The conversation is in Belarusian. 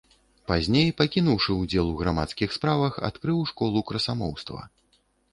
Пазней, пакінуўшы ўдзел у грамадскіх справах, адкрыў школу красамоўства.